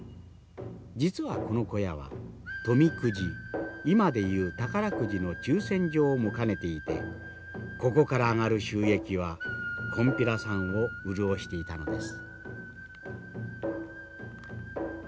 実はこの小屋は富くじ今で言う宝くじの抽せん場も兼ねていてここから上がる収益はこんぴらさんを潤していたのです。